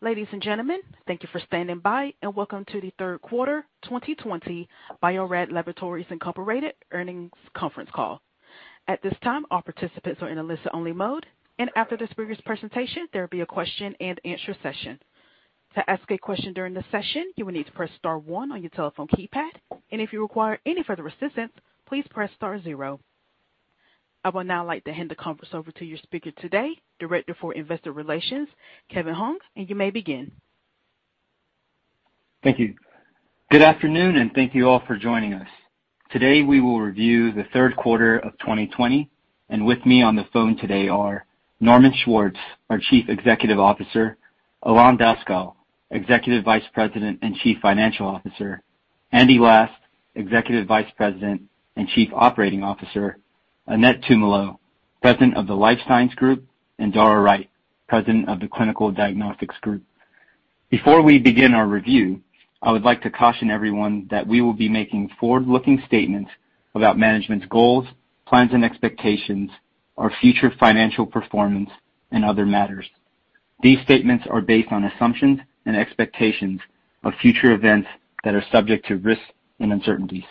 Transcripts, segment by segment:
Ladies and gentlemen, thank you for standing by and welcome to the Third Quarter, 2020, Bio-Rad Laboratories Incorporated earnings conference call. At this time, all participants are in a listen-only mode, and after this speaker's presentation, there will be a question-and-answer session. To ask a question during the session, you will need to press star one on your telephone keypad, and if you require any further assistance, please press star zero. I would now like to hand the conference over to your speaker today, Director for Investor Relations, Kevin Han, and you may begin. Thank you. Good afternoon, and thank you all for joining us. Today, we will review the third quarter of 2020, and with me on the phone today are Norman Schwartz, our Chief Executive Officer, Ilan Daskal, Executive Vice President and Chief Financial Officer, Andy Last, Executive Vice President and Chief Operating Officer, Annette Tumolo, President of the Life Science Group, and Dara Wright, President of the Clinical Diagnostics Group. Before we begin our review, I would like to caution everyone that we will be making forward-looking statements about management's goals, plans, and expectations, our future financial performance, and other matters. These statements are based on assumptions and expectations of future events that are subject to risks and uncertainties.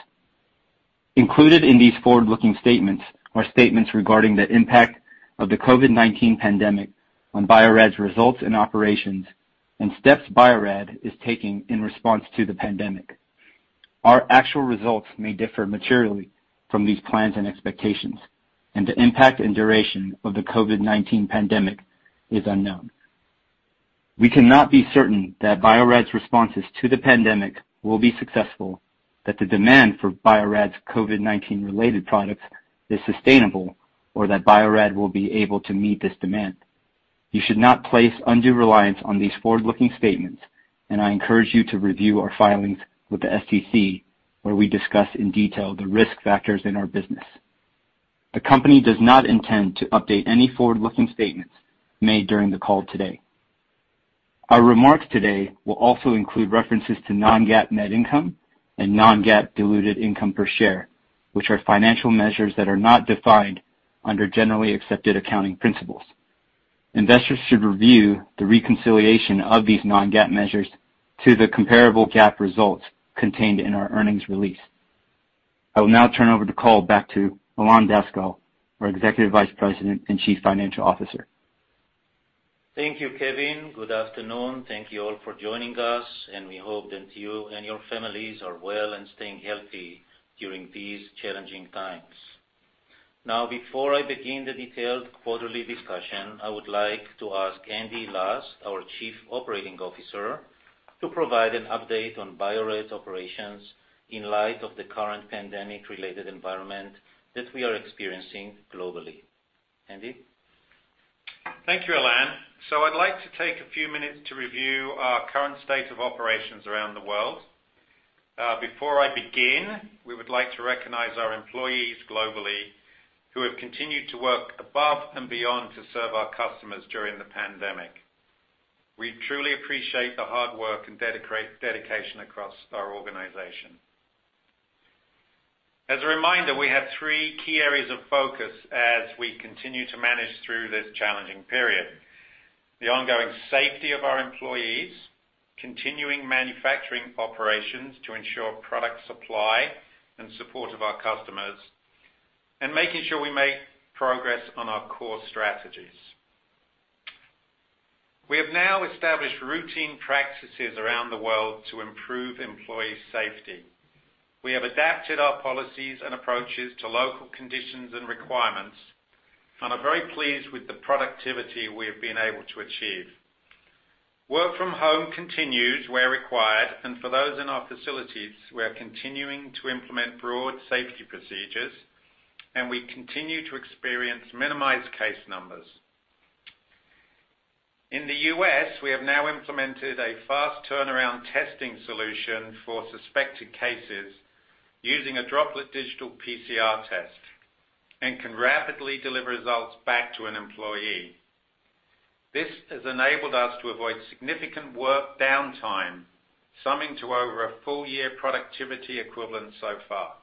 Included in these forward-looking statements are statements regarding the impact of the COVID-19 pandemic on Bio-Rad's results and operations and steps Bio-Rad is taking in response to the pandemic. Our actual results may differ materially from these plans and expectations, and the impact and duration of the COVID-19 pandemic is unknown. We cannot be certain that Bio-Rad's responses to the pandemic will be successful, that the demand for Bio-Rad's COVID-19-related products is sustainable, or that Bio-Rad will be able to meet this demand. You should not place undue reliance on these forward-looking statements, and I encourage you to review our filings with the SEC, where we discuss in detail the risk factors in our business. The company does not intend to update any forward-looking statements made during the call today. Our remarks today will also include references to non-GAAP net income and non-GAAP diluted income per share, which are financial measures that are not defined under generally accepted accounting principles. Investors should review the reconciliation of these non-GAAP measures to the comparable GAAP results contained in our earnings release. I will now turn over the call back to Ilan Daskal, our Executive Vice President and Chief Financial Officer. Thank you, Kevin. Good afternoon. Thank you all for joining us, and we hope that you and your families are well and staying healthy during these challenging times. Now, before I begin the detailed quarterly discussion, I would like to ask Andy Last, our Chief Operating Officer, to provide an update on Bio-Rad's operations in light of the current pandemic-related environment that we are experiencing globally. Andy? Thank you, Ilan. So I'd like to take a few minutes to review our current state of operations around the world. Before I begin, we would like to recognize our employees globally who have continued to work above and beyond to serve our customers during the pandemic. We truly appreciate the hard work and dedication across our organization. As a reminder, we have three key areas of focus as we continue to manage through this challenging period: the ongoing safety of our employees, continuing manufacturing operations to ensure product supply and support of our customers, and making sure we make progress on our core strategies. We have now established routine practices around the world to improve employee safety. We have adapted our policies and approaches to local conditions and requirements, and are very pleased with the productivity we have been able to achieve. Work from home continues where required, and for those in our facilities, we are continuing to implement broad safety procedures, and we continue to experience minimized case numbers. In the U.S., we have now implemented a fast turnaround testing solution for suspected cases using a Droplet Digital PCR test and can rapidly deliver results back to an employee. This has enabled us to avoid significant work downtime, summing to over a full-year productivity equivalent so far.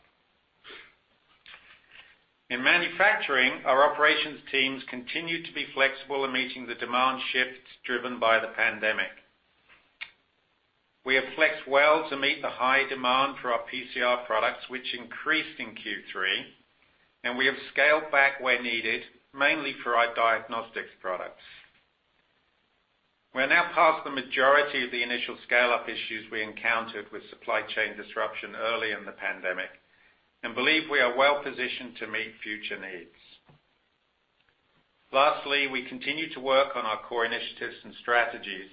In manufacturing, our operations teams continue to be flexible in meeting the demand shifts driven by the pandemic. We have flexed well to meet the high demand for our PCR products, which increased in Q3, and we have scaled back where needed, mainly for our diagnostics products. We are now past the majority of the initial scale-up issues we encountered with supply chain disruption early in the pandemic and believe we are well positioned to meet future needs. Lastly, we continue to work on our core initiatives and strategies,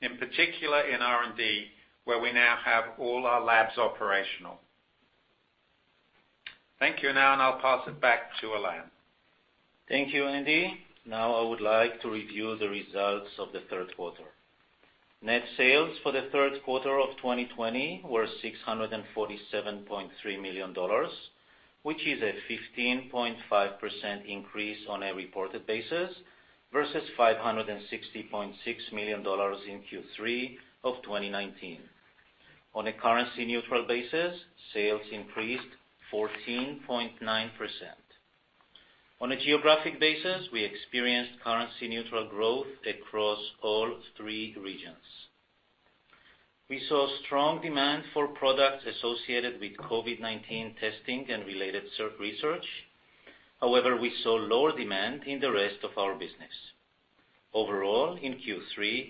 in particular in R&D, where we now have all our labs operational. Thank you, and now I'll pass it back to Ilan. Thank you, Andy. Now, I would like to review the results of the third quarter. Net sales for the third quarter of 2020 were $647.3 million, which is a 15.5% increase on a reported basis versus $560.6 million in Q3 of 2019. On a currency-neutral basis, sales increased 14.9%. On a geographic basis, we experienced currency-neutral growth across all three regions. We saw strong demand for products associated with COVID-19 testing and related research. However, we saw lower demand in the rest of our business. Overall, in Q3,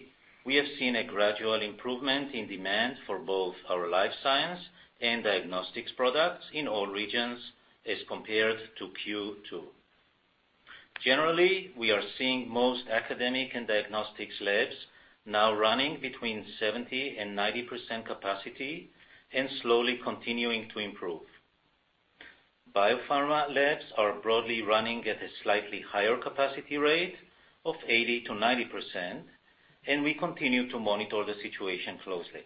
we have seen a gradual improvement in demand for both our life science and diagnostics products in all regions as compared to Q2. Generally, we are seeing most academic and diagnostics labs now running between 70% and 90% capacity and slowly continuing to improve. Biopharma labs are broadly running at a slightly higher capacity rate of 80%-90%, and we continue to monitor the situation closely.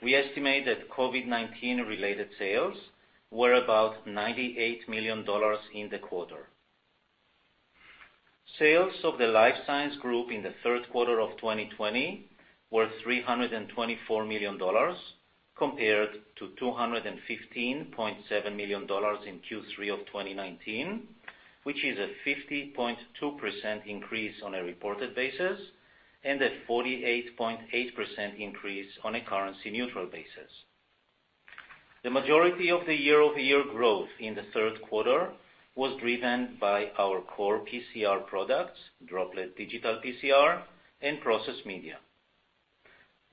We estimate that COVID-19-related sales were about $98 million in the quarter. Sales of the Life Science Group in the third quarter of 2020 were $324 million compared to $215.7 million in Q3 of 2019, which is a 50.2% increase on a reported basis and a 48.8% increase on a currency-neutral basis. The majority of the year-over-year growth in the third quarter was driven by our core PCR products, Droplet Digital PCR, and process media.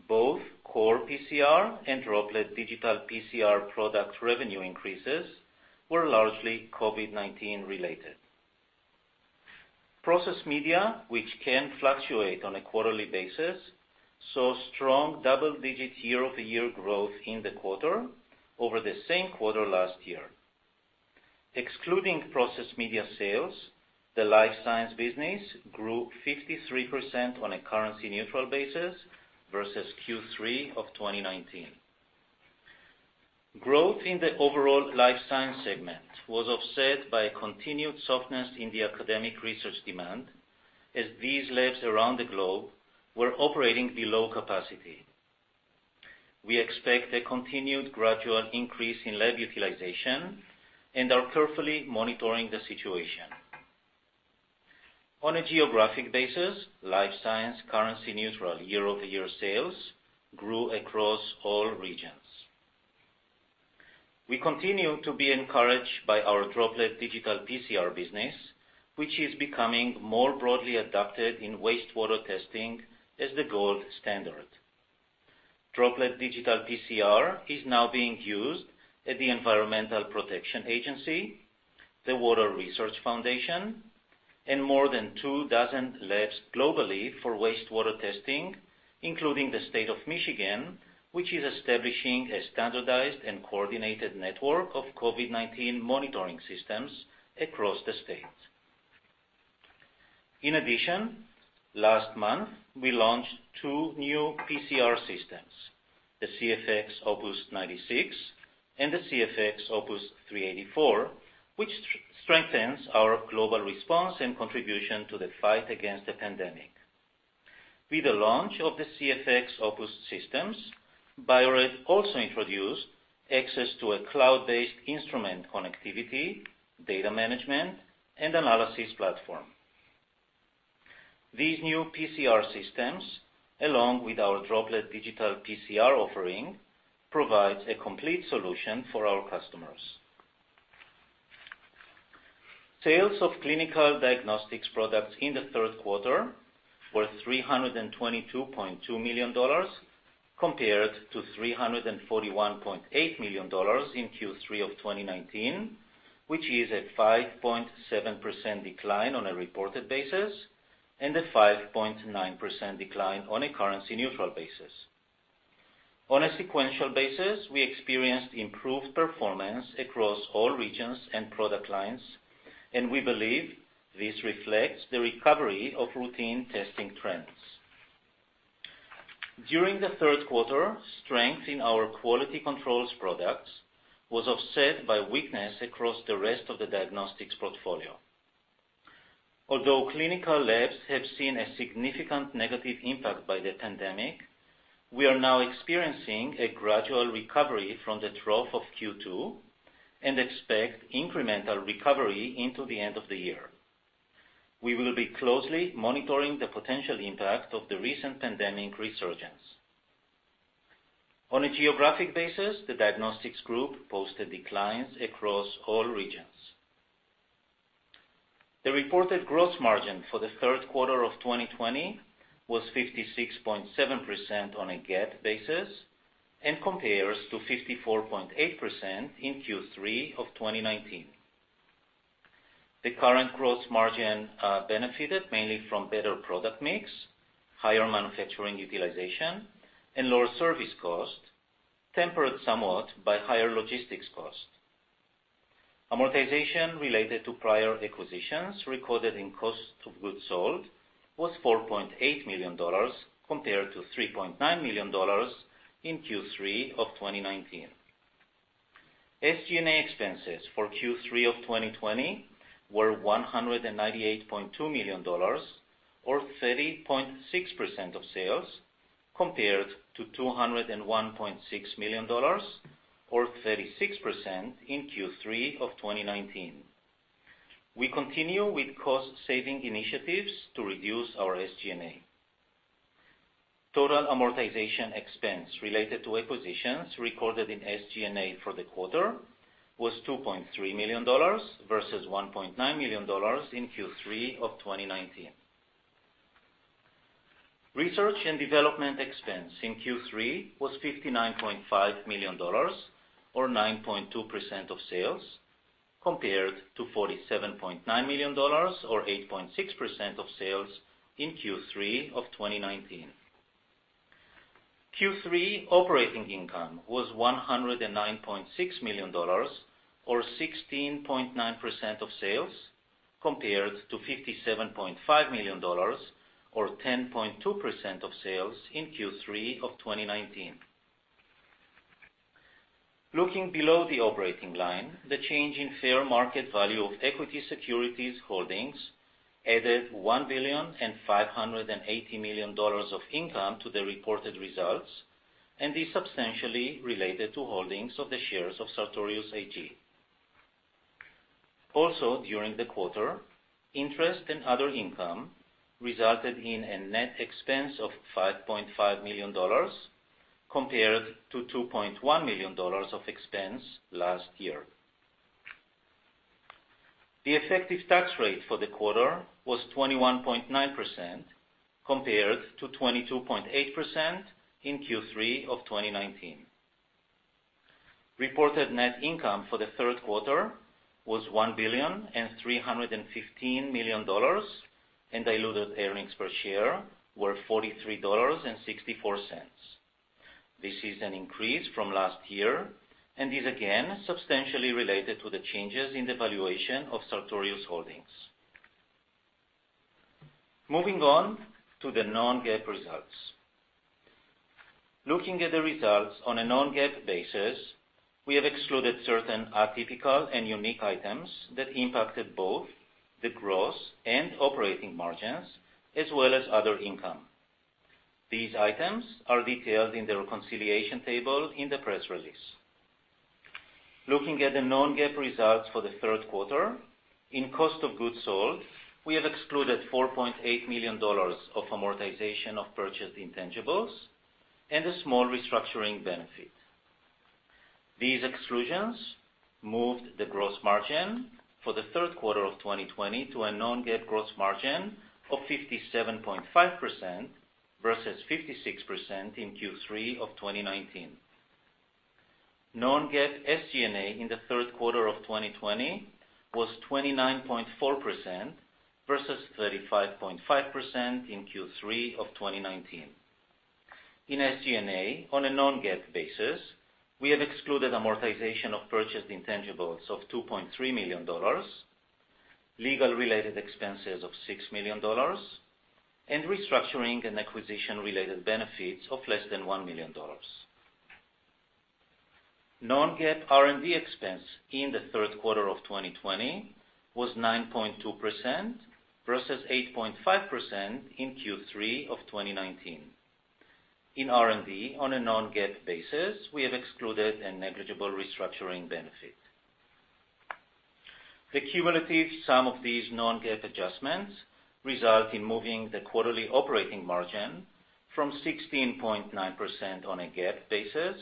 Both core PCR and Droplet Digital PCR product revenue increases were largely COVID-19-related. Process media, which can fluctuate on a quarterly basis, saw strong double-digit year-over-year growth in the quarter over the same quarter last year. Excluding process media sales, the life science business grew 53% on a currency-neutral basis versus Q3 of 2019. Growth in the overall life science segment was offset by continued softness in the academic research demand as these labs around the globe were operating below capacity. We expect a continued gradual increase in lab utilization and are carefully monitoring the situation. On a geographic basis, life science currency-neutral year-over-year sales grew across all regions. We continue to be encouraged by our Droplet Digital PCR business, which is becoming more broadly adopted in wastewater testing as the gold standard. Droplet Digital PCR is now being used at the Environmental Protection Agency, the Water Research Foundation, and more than two dozen labs globally for wastewater testing, including the State of Michigan, which is establishing a standardized and coordinated network of COVID-19 monitoring systems across the state. In addition, last month, we launched two new PCR systems, the CFX Opus 96 and the CFX Opus 384, which strengthens our global response and contribution to the fight against the pandemic. With the launch of the CFX Opus systems, Bio-Rad also introduced access to a cloud-based instrument connectivity, data management, and analysis platform. These new PCR systems, along with our Droplet Digital PCR offering, provide a complete solution for our customers. Sales of clinical diagnostics products in the third quarter were $322.2 million compared to $341.8 million in Q3 of 2019, which is a 5.7% decline on a reported basis and a 5.9% decline on a currency-neutral basis. On a sequential basis, we experienced improved performance across all regions and product lines, and we believe this reflects the recovery of routine testing trends. During the third quarter, strength in our quality control products was offset by weakness across the rest of the diagnostics portfolio. Although clinical labs have seen a significant negative impact by the pandemic, we are now experiencing a gradual recovery from the trough of Q2 and expect incremental recovery into the end of the year. We will be closely monitoring the potential impact of the recent pandemic resurgence. On a geographic basis, the Diagnostics Group posted declines across all regions. The reported gross margin for the third quarter of 2020 was 56.7% on a GAAP basis and compares to 54.8% in Q3 of 2019. The current gross margin benefited mainly from better product mix, higher manufacturing utilization, and lower service cost, tempered somewhat by higher logistics cost. Amortization related to prior acquisitions recorded in cost of goods sold was $4.8 million compared to $3.9 million in Q3 of 2019. SG&A expenses for Q3 of 2020 were $198.2 million or 30.6% of sales compared to $201.6 million or 36% in Q3 of 2019. We continue with cost-saving initiatives to reduce our SG&A. Total amortization expense related to acquisitions recorded in SG&A for the quarter was $2.3 million versus $1.9 million in Q3 of 2019. Research and development expense in Q3 was $59.5 million or 9.2% of sales compared to $47.9 million or 8.6% of sales in Q3 of 2019. Q3 operating income was $109.6 million or 16.9% of sales compared to $57.5 million or 10.2% of sales in Q3 of 2019. Looking below the operating line, the change in fair market value of equity securities holdings added $1 billion and $580 million of income to the reported results, and this substantially related to holdings of the shares of Sartorius AG. Also, during the quarter, interest and other income resulted in a net expense of $5.5 million compared to $2.1 million of expense last year. The effective tax rate for the quarter was 21.9% compared to 22.8% in Q3 of 2019. Reported net income for the third quarter was $1 billion and $315 million, and diluted earnings per share were $43.64. This is an increase from last year, and is again substantially related to the changes in the valuation of Sartorius Holdings. Moving on to the non-GAAP results. Looking at the results on a non-GAAP basis, we have excluded certain atypical and unique items that impacted both the gross and operating margins, as well as other income. These items are detailed in the reconciliation table in the press release. Looking at the non-GAAP results for the third quarter, in cost of goods sold, we have excluded $4.8 million of amortization of purchased intangibles and a small restructuring benefit. These exclusions moved the gross margin for the third quarter of 2020 to a non-GAAP gross margin of 57.5% versus 56% in Q3 of 2019. Non-GAAP SG&A in the third quarter of 2020 was 29.4% versus 35.5% in Q3 of 2019. In SG&A, on a non-GAAP basis, we have excluded amortization of purchased intangibles of $2.3 million, legal-related expenses of $6 million, and restructuring and acquisition-related benefits of less than $1 million. Non-GAAP R&D expense in the third quarter of 2020 was 9.2% versus 8.5% in Q3 of 2019. In R&D, on a non-GAAP basis, we have excluded a negligible restructuring benefit. The cumulative sum of these non-GAAP adjustments results in moving the quarterly operating margin from 16.9% on a GAAP basis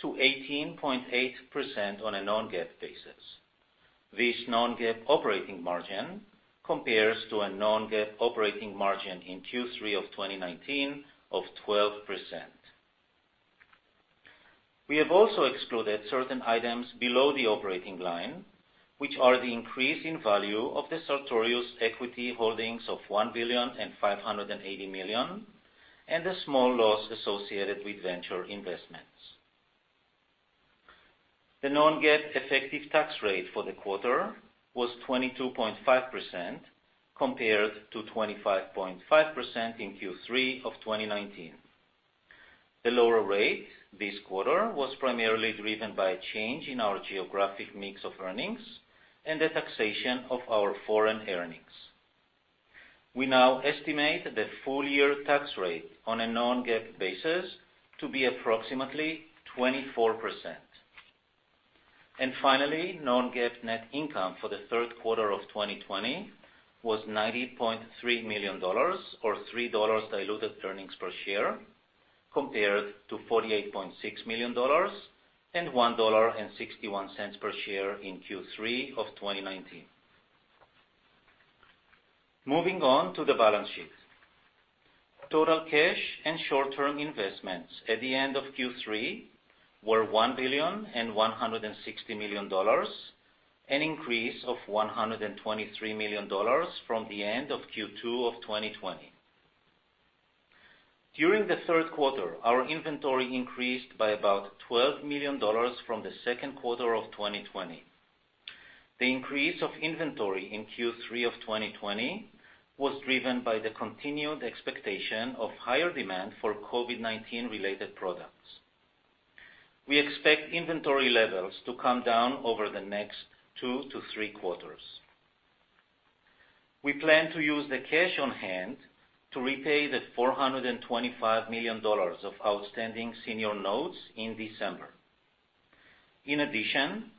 to 18.8% on a non-GAAP basis. This non-GAAP operating margin compares to a non-GAAP operating margin in Q3 of 2019 of 12%. We have also excluded certain items below the operating line, which are the increase in value of the Sartorius equity holdings of $1 billion and $580 million and the small loss associated with venture investments. The non-GAAP effective tax rate for the quarter was 22.5% compared to 25.5% in Q3 of 2019. The lower rate this quarter was primarily driven by a change in our geographic mix of earnings and the taxation of our foreign earnings. We now estimate the full-year tax rate on a non-GAAP basis to be approximately 24%. Finally, Non-GAAP net income for the third quarter of 2020 was $90.3 million or $3 diluted earnings per share compared to $48.6 million and $1.61 per share in Q3 of 2019. Moving on to the balance sheet. Total cash and short-term investments at the end of Q3 were $1 billion and $160 million, an increase of $123 million from the end of Q2 of 2020. During the third quarter, our inventory increased by about $12 million from the second quarter of 2020. The increase of inventory in Q3 of 2020 was driven by the continued expectation of higher demand for COVID-19-related products. We expect inventory levels to come down over the next two to three quarters. We plan to use the cash on hand to repay the $425 million of outstanding senior notes in December. In addition,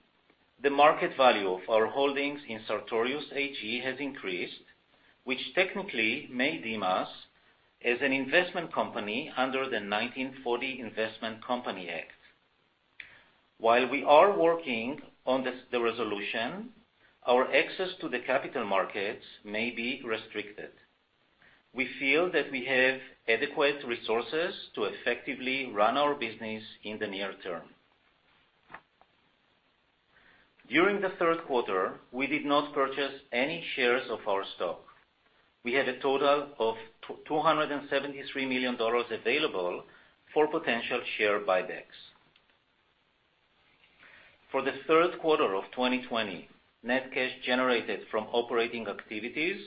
the market value of our holdings in Sartorius AG has increased, which technically may deem us as an investment company under the 1940 Investment Company Act. While we are working on the resolution, our access to the capital markets may be restricted. We feel that we have adequate resources to effectively run our business in the near term. During the third quarter, we did not purchase any shares of our stock. We had a total of $273 million available for potential share buybacks. For the third quarter of 2020, net cash generated from operating activities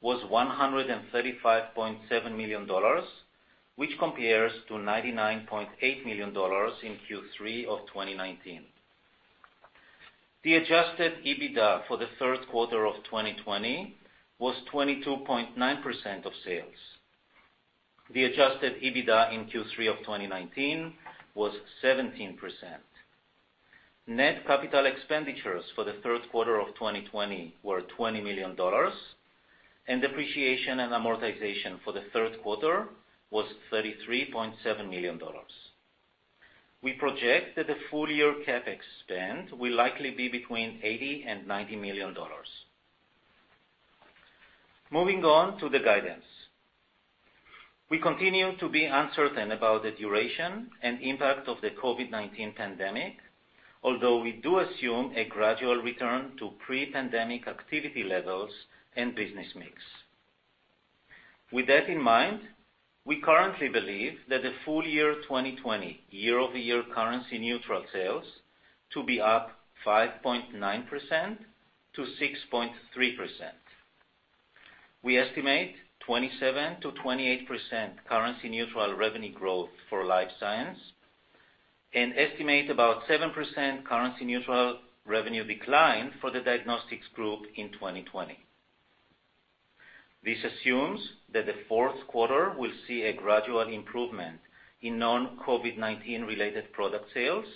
was $135.7 million, which compares to $99.8 million in Q3 of 2019. The Adjusted EBITDA for the third quarter of 2020 was 22.9% of sales. The Adjusted EBITDA in Q3 of 2019 was 17%. Net capital expenditures for the third quarter of 2020 were $20 million, and depreciation and amortization for the third quarter was $33.7 million. We project that the full-year CapEx will likely be between $80-$90 million. Moving on to the guidance. We continue to be uncertain about the duration and impact of the COVID-19 pandemic, although we do assume a gradual return to pre-pandemic activity levels and business mix. With that in mind, we currently believe that the full-year 2020 year-over-year currency-neutral sales to be up 5.9%-6.3%. We estimate 27%-28% currency-neutral revenue growth for life science and estimate about 7% currency-neutral revenue decline for the Diagnostics Group in 2020. This assumes that the fourth quarter will see a gradual improvement in non-COVID-19-related product sales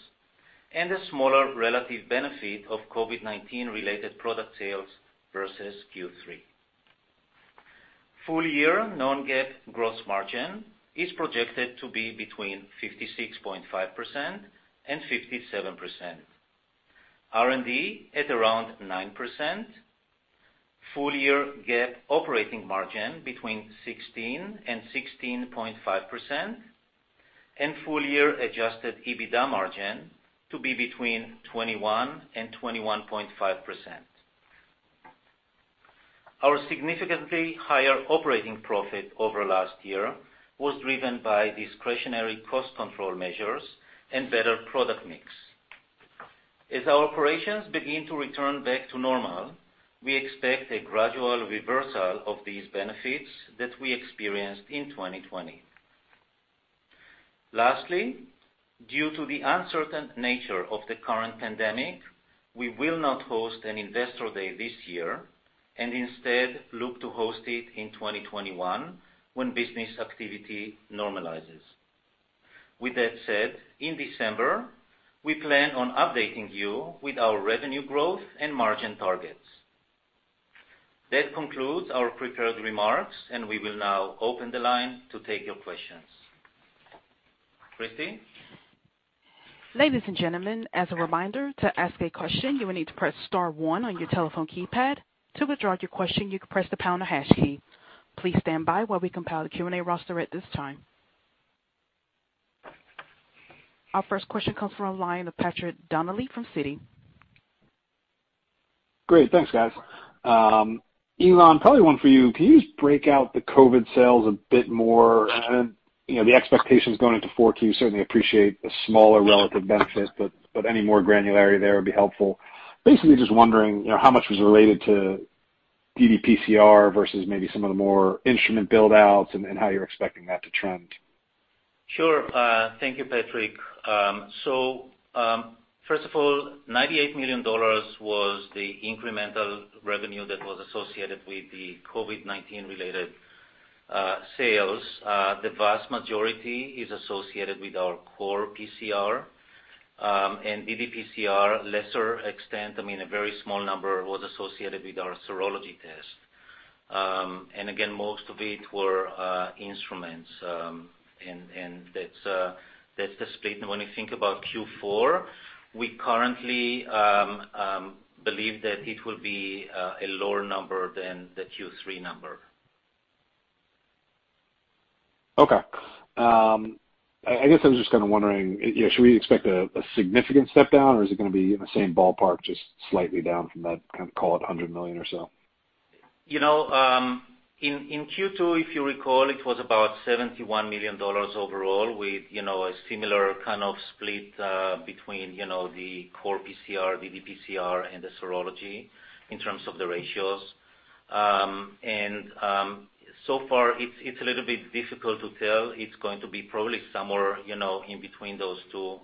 and a smaller relative benefit of COVID-19-related product sales versus Q3. Full-year non-GAAP gross margin is projected to be between 56.5% and 57%. R&D at around 9%, full-year GAAP operating margin between 16% and 16.5%, and full-year Adjusted EBITDA margin to be between 21% and 21.5%. Our significantly higher operating profit over last year was driven by discretionary cost control measures and better product mix. As our operations begin to return back to normal, we expect a gradual reversal of these benefits that we experienced in 2020. Lastly, due to the uncertain nature of the current pandemic, we will not host an Investor Day this year and instead look to host it in 2021 when business activity normalizes. With that said, in December, we plan on updating you with our revenue growth and margin targets. That concludes our prepared remarks, and we will now open the line to take your questions. Christie? Ladies and gentlemen, as a reminder to ask a question, you will need to press star one on your telephone keypad. To withdraw your question, you can press the pound or hash key. Please stand by while we compile the Q&A roster at this time. Our first question comes from a line of Patrick Donnelly from Citi. Great. Thanks, guys. Ilan, probably one for you. Can you just break out the COVID sales a bit more? The expectations going into 4Q, certainly appreciate the smaller relative benefit, but any more granularity there would be helpful. Basically, just wondering how much was related to ddPCR versus maybe some of the more instrument build-outs and how you're expecting that to trend. Sure. Thank you, Patrick. So first of all, $98 million was the incremental revenue that was associated with the COVID-19-related sales. The vast majority is associated with our core PCR, and ddPCR, lesser extent, I mean, a very small number was associated with our serology test. And again, most of it were instruments, and that's the split. And when you think about Q4, we currently believe that it will be a lower number than the Q3 number. Okay. I guess I was just kind of wondering, should we expect a significant step down, or is it going to be in the same ballpark, just slightly down from that, kind of call it $100 million or so? In Q2, if you recall, it was about $71 million overall with a similar kind of split between the core PCR, ddPCR, and the serology in terms of the ratios. And so far, it's a little bit difficult to tell. It's going to be probably somewhere in between those two,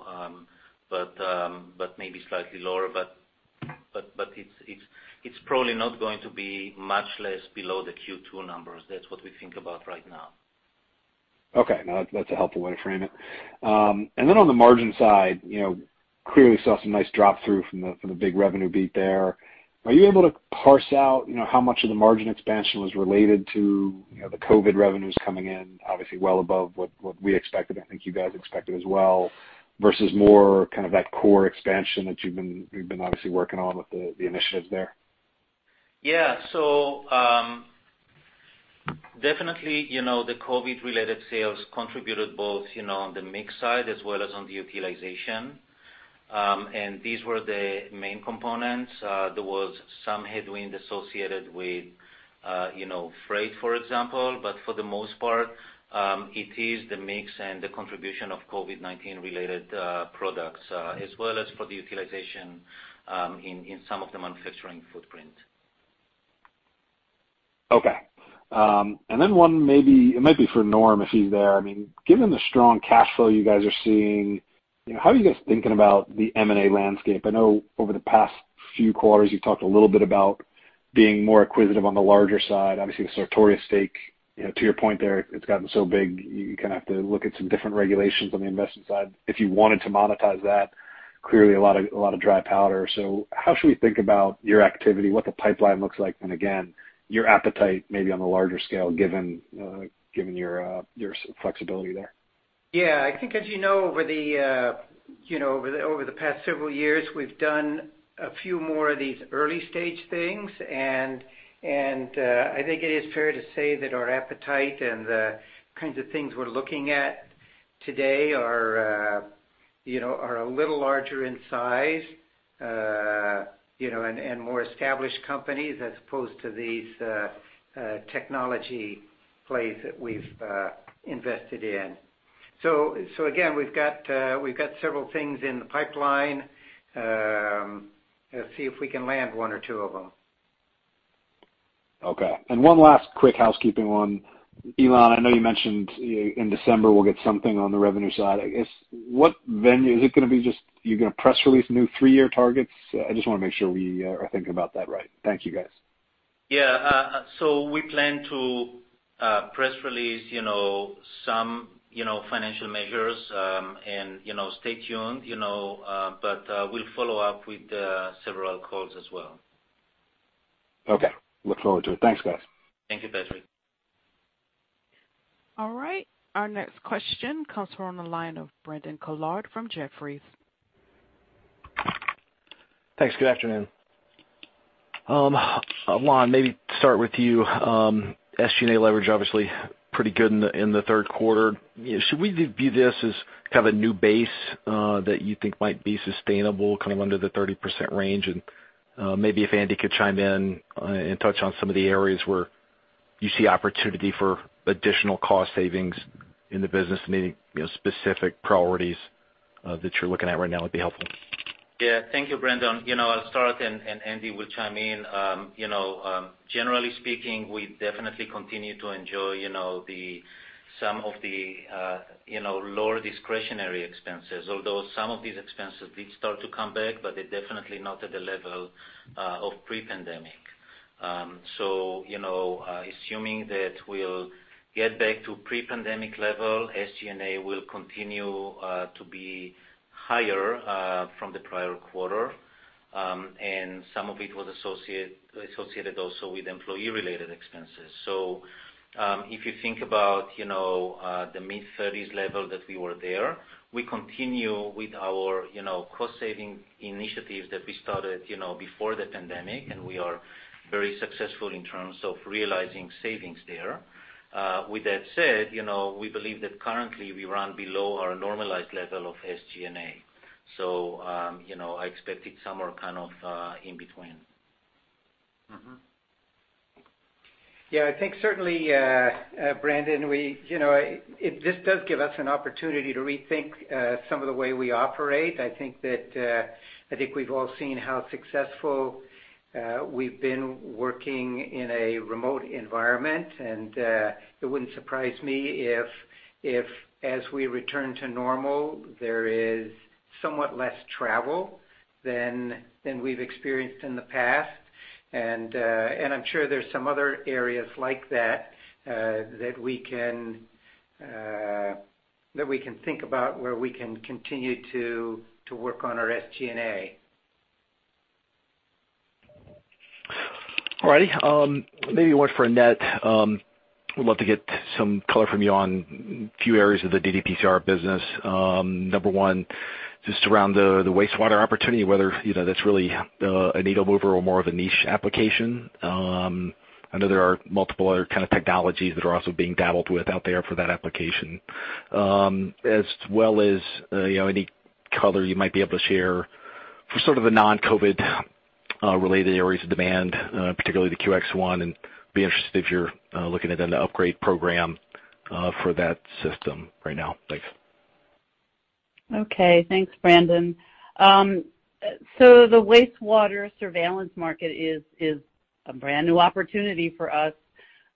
but maybe slightly lower. But it's probably not going to be much less below the Q2 numbers. That's what we think about right now. Okay. No, that's a helpful way to frame it. And then on the margin side, clearly saw some nice drop-through from the big revenue beat there. Are you able to parse out how much of the margin expansion was related to the COVID revenues coming in, obviously well above what we expected, I think you guys expected as well, versus more kind of that core expansion that you've been obviously working on with the initiatives there? Yeah. So definitely, the COVID-related sales contributed both on the mix side as well as on the utilization. And these were the main components. There was some headwind associated with freight, for example. But for the most part, it is the mix and the contribution of COVID-19-related products, as well as for the utilization in some of the manufacturing footprint. Okay. And then one, maybe it might be for Norman if he's there. I mean, given the strong cash flow you guys are seeing, how are you guys thinking about the M&A landscape? I know over the past few quarters, you've talked a little bit about being more acquisitive on the larger side. Obviously, the Sartorius stake, to your point there, it's gotten so big, you kind of have to look at some different regulations on the investment side. If you wanted to monetize that, clearly a lot of dry powder. So how should we think about your activity, what the pipeline looks like, and again, your appetite maybe on the larger scale given your flexibility there? Yeah. I think, as you know, over the past several years, we've done a few more of these early-stage things. And I think it is fair to say that our appetite and the kinds of things we're looking at today are a little larger in size and more established companies as opposed to these technology plays that we've invested in. So again, we've got several things in the pipeline. Let's see if we can land one or two of them. Okay. And one last quick housekeeping one. Ilan, I know you mentioned in December we'll get something on the revenue side. I guess, what venue is it going to be? Just you're going to press release new three-year targets? I just want to make sure we are thinking about that right. Thank you, guys. Yeah. So we plan to press release some financial measures and stay tuned. But we'll follow up with several calls as well. Okay. Look forward to it. Thanks, guys. Thank you, Patrick. All right. Our next question comes from the line of Brandon Couillard from Jefferies. Thanks. Good afternoon. Ilan, maybe start with you. SG&A leverage, obviously, pretty good in the third quarter. Should we view this as kind of a new base that you think might be sustainable, kind of under the 30% range? And maybe if Andy could chime in and touch on some of the areas where you see opportunity for additional cost savings in the business, maybe specific priorities that you're looking at right now would be helpful. Yeah. Thank you, Brandon. I'll start, and Andy will chime in. Generally speaking, we definitely continue to enjoy some of the lower discretionary expenses, although some of these expenses did start to come back, but they're definitely not at the level of pre-pandemic. So assuming that we'll get back to pre-pandemic level, SG&A will continue to be higher from the prior quarter. And some of it was associated also with employee-related expenses. So if you think about the mid-30s level that we were there, we continue with our cost-saving initiatives that we started before the pandemic, and we are very successful in terms of realizing savings there. With that said, we believe that currently we run below our normalized level of SG&A. So I expect it somewhere kind of in between. Yeah. I think certainly, Brandon, this does give us an opportunity to rethink some of the way we operate. I think we've all seen how successful we've been working in a remote environment. And it wouldn't surprise me if, as we return to normal, there is somewhat less travel than we've experienced in the past. And I'm sure there's some other areas like that that we can think about where we can continue to work on our SG&A. All righty. Maybe one for Annette. We'd love to get some color from you on a few areas of the ddPCR business. Number one, just around the wastewater opportunity, whether that's really a needle mover or more of a niche application. I know there are multiple other kinds of technologies that are also being dabbled with out there for that application, as well as any color you might be able to share for sort of the non-COVID-related areas of demand, particularly the QX ONE. And be interested if you're looking at an upgrade program for that system right now. Thanks. Okay. Thanks, Brandon. So the wastewater surveillance market is a brand new opportunity for us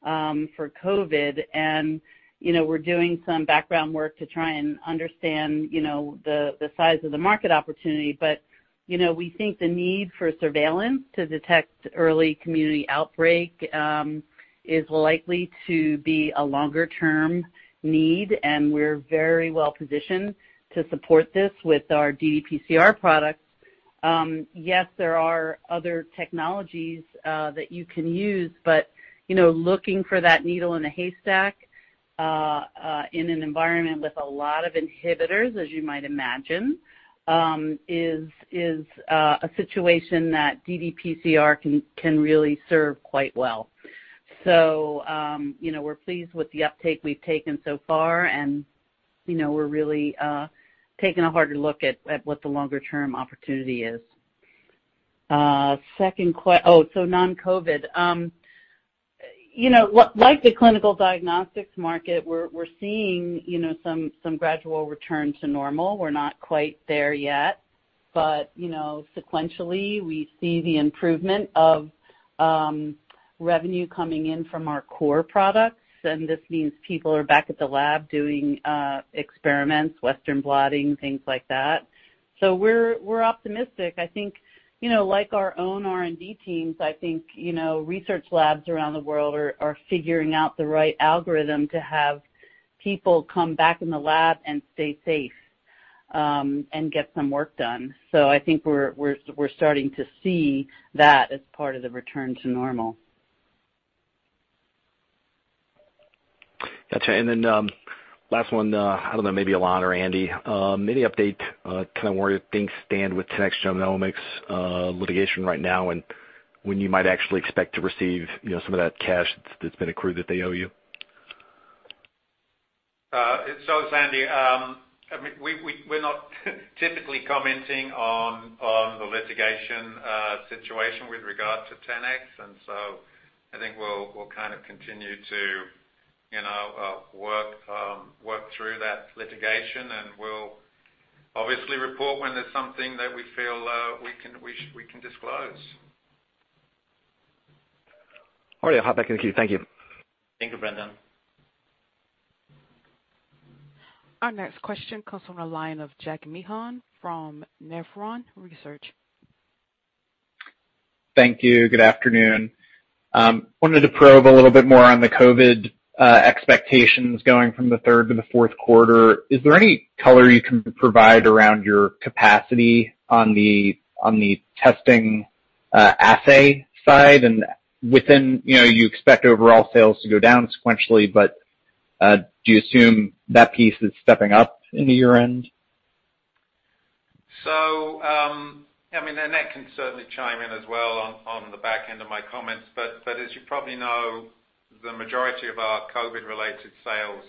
for COVID. And we're doing some background work to try and understand the size of the market opportunity. But we think the need for surveillance to detect early community outbreak is likely to be a longer-term need. And we're very well positioned to support this with our ddPCR products. Yes, there are other technologies that you can use, but looking for that needle in the haystack in an environment with a lot of inhibitors, as you might imagine, is a situation that ddPCR can really serve quite well. So we're pleased with the uptake we've taken so far, and we're really taking a harder look at what the longer-term opportunity is. Oh, so non-COVID. Like the clinical diagnostics market, we're seeing some gradual return to normal. We're not quite there yet. But sequentially, we see the improvement of revenue coming in from our core products. And this means people are back at the lab doing experiments, Western blotting, things like that. So we're optimistic. I think, like our own R&D teams, I think research labs around the world are figuring out the right algorithm to have people come back in the lab and stay safe and get some work done. So I think we're starting to see that as part of the return to normal. Gotcha, and then last one, I don't know, maybe Ilan or Andy. Maybe update kind of where things stand with 10x Genomics litigation right now and when you might actually expect to receive some of that cash that's been accrued that they owe you. Andy, we're not typically commenting on the litigation situation with regard to 10x. And so I think we'll kind of continue to work through that litigation. And we'll obviously report when there's something that we feel we can disclose. All right. I'll hop back in with you. Thank you. Thank you, Brandon. Our next question comes from a line of Jack Meehan from Nephron Research. Thank you. Good afternoon. Wanted to probe a little bit more on the COVID expectations going from the third to the fourth quarter. Is there any color you can provide around your capacity on the testing assay side? And within, you expect overall sales to go down sequentially, but do you assume that piece is stepping up into your year-end? So, I mean, Annette can certainly chime in as well on the back end of my comments. But as you probably know, the majority of our COVID-related sales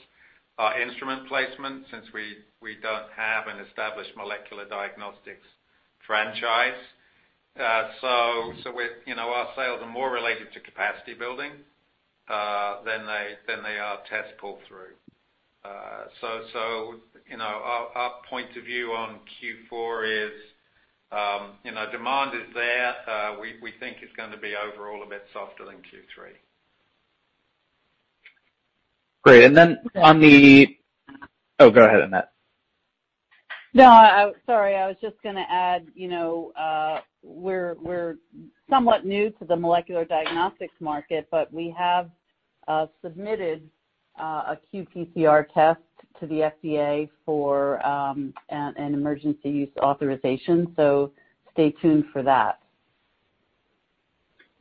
are instrument placement since we don't have an established molecular diagnostics franchise. So our sales are more related to capacity building than they are test pull-through. So our point of view on Q4 is demand is there. We think it's going to be overall a bit softer than Q3. Great. And then on the—oh, go ahead, Annette. No, sorry. I was just going to add we're somewhat new to the molecular diagnostics market, but we have submitted a qPCR test to the FDA for an Emergency Use Authorization. So stay tuned for that.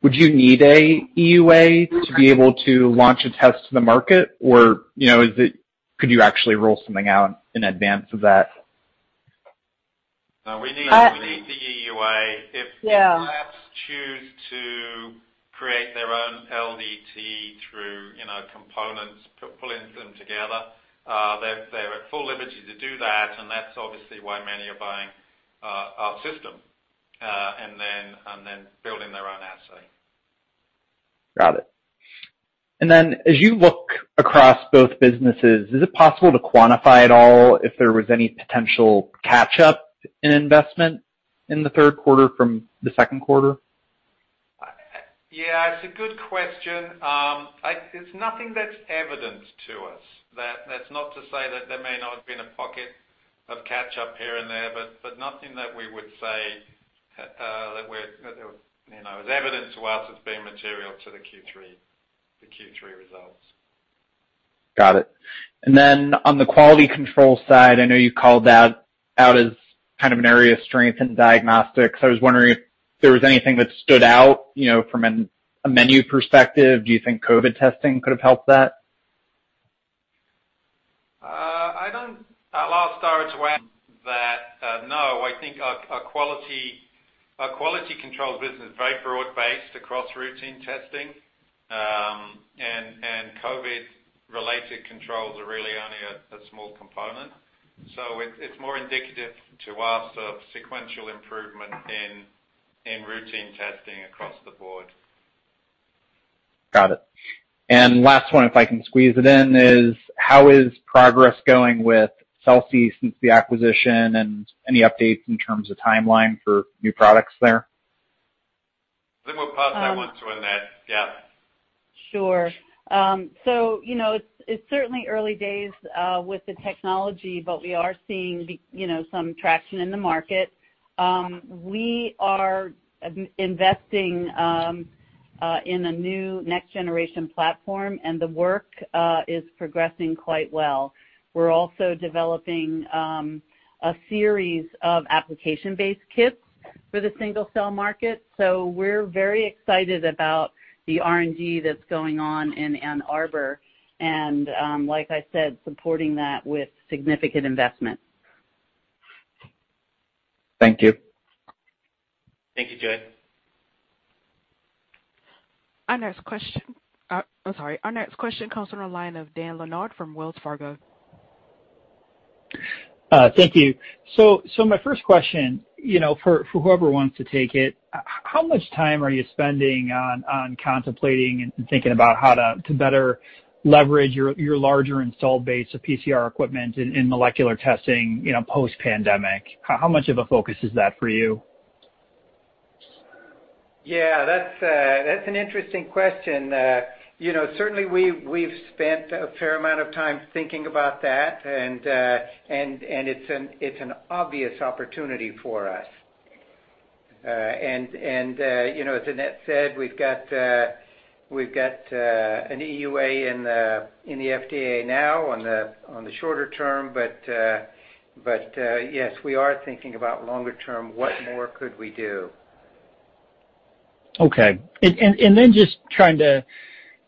Would you need an EUA to be able to launch a test to the market, or could you actually roll something out in advance of that? No, we need the EUA. If labs choose to create their own LDT through components, pull in them together, they have full liberty to do that. And that's obviously why many are buying our system and then building their own assay. Got it. And then as you look across both businesses, is it possible to quantify at all if there was any potential catch-up in investment in the third quarter from the second quarter? Yeah. It's a good question. It's nothing that's evident to us. That's not to say that there may not have been a pocket of catch-up here and there, but nothing that we would say that was evident to us as being material to the Q3 results. Got it. And then on the quality control side, I know you called that out as kind of an area of strength in diagnostics. I was wondering if there was anything that stood out from a menu perspective. Do you think COVID testing could have helped that? I'll start with that. No, I think our quality control business is very broad-based across routine testing. And COVID-related controls are really only a small component. So it's more indicative to us of sequential improvement in routine testing across the board. Got it. And last one, if I can squeeze it in, is how is progress going with Celsee since the acquisition and any updates in terms of timeline for new products there? I think we'll pass that one to Annette. Yeah. Sure. So it's certainly early days with the technology, but we are seeing some traction in the market. We are investing in a new next-generation platform, and the work is progressing quite well. We're also developing a series of application-based kits for the single-cell market. So we're very excited about the R&D that's going on in Ann Arbor and, like I said, supporting that with significant investment. Thank you. Thank you, Jack. Our next question, oh, sorry. Our next question comes from a line of Dan Leonard from Wells Fargo. Thank you. So my first question, for whoever wants to take it, how much time are you spending on contemplating and thinking about how to better leverage your larger installed base of PCR equipment in molecular testing post-pandemic? How much of a focus is that for you? Yeah. That's an interesting question. Certainly, we've spent a fair amount of time thinking about that, and it's an obvious opportunity for us. And as Annette said, we've got an EUA in the FDA now on the shorter term. But yes, we are thinking about longer-term, what more could we do? Okay. And then just trying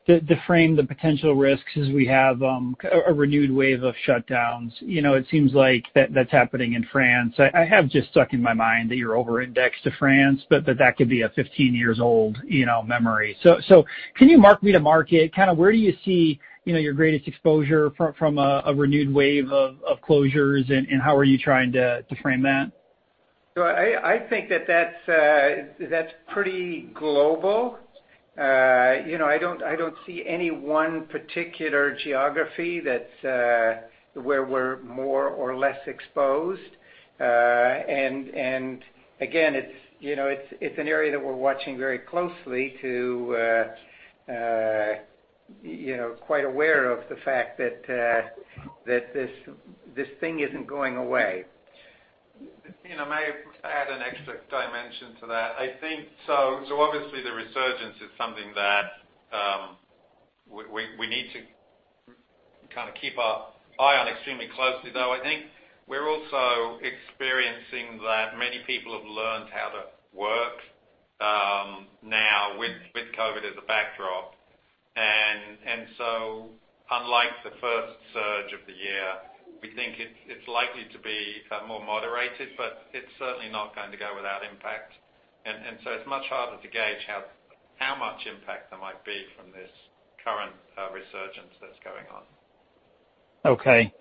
to frame the potential risks as we have a renewed wave of shutdowns. It seems like that's happening in France. I have just stuck in my mind that you're over-indexed to France, but that could be a 15-year-old memory. So can you mark me to market? Kind of where do you see your greatest exposure from a renewed wave of closures, and how are you trying to frame that? So I think that that's pretty global. I don't see any one particular geography where we're more or less exposed. And again, it's an area that we're watching very closely and quite aware of the fact that this thing isn't going away. May I add an extra dimension to that? So obviously, the resurgence is something that we need to kind of keep our eye on extremely closely. Though I think we're also experiencing that many people have learned how to work now with COVID as a backdrop. And so unlike the first surge of the year, we think it's likely to be more moderated, but it's certainly not going to go without impact. And so it's much harder to gauge how much impact there might be from this current resurgence that's going on. Okay.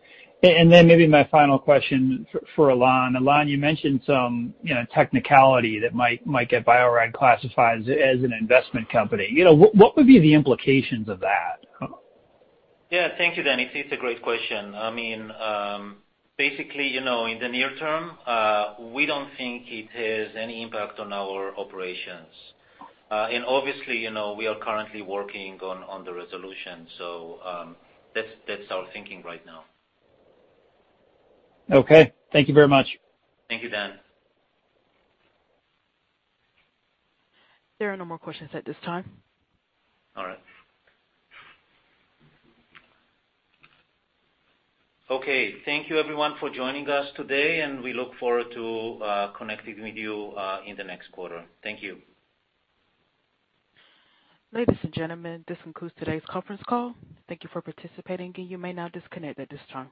And then maybe my final question for Ilan. Ilan, you mentioned some technicality that might get Bio-Rad classified as an investment company. What would be the implications of that? Yeah. Thank you, Dan. It's a great question. I mean, basically, in the near term, we don't think it has any impact on our operations. And obviously, we are currently working on the resolution. So that's our thinking right now. Okay. Thank you very much. Thank you, Dan. There are no more questions at this time. All right. Okay. Thank you, everyone, for joining us today. And we look forward to connecting with you in the next quarter. Thank you. Ladies and gentlemen, this concludes today's conference call. Thank you for participating. And you may now disconnect at this time.